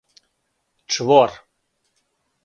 чвор